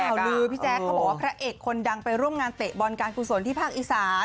ข่าวลือพี่แจ๊คเขาบอกว่าพระเอกคนดังไปร่วมงานเตะบอลการกุศลที่ภาคอีสาน